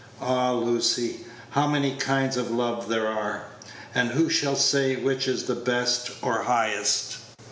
Ah! Lucy, how many kinds of love there are; and who shall say which is the best or highest?